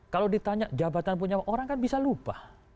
kalau ditanya jabatan punya orang kan bisa lupa